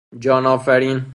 جان آفرین